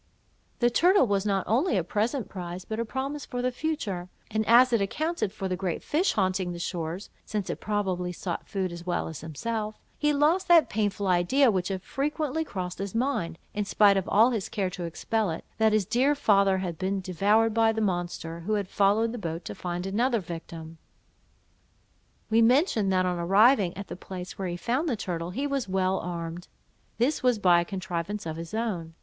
The turtle was not only a present prize, but a promise for the future; and as it accounted for the great fish haunting the shores (since it probably sought food as well as himself), he lost that painful idea which had frequently crossed his mind, in spite of all his care to expel it, that his dear father had been devoured by the monster, who had followed the boat to find another victim. We mentioned, that on arriving at the place where he found the turtle, he was well armed. This was by a contrivance of his own.